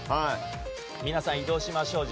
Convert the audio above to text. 皆さん、移動しましょう。